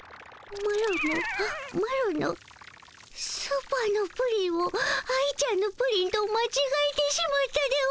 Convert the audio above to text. マロのマロのスーパーのプリンを愛ちゃんのプリンとまちがえてしまったでおじゃる。